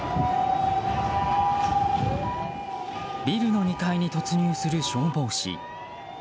ビルの２階に突入する消防士。